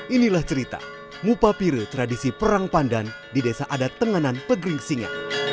inilah cerita mupapire tradisi perang pandan di desa adat tenganan pegering singa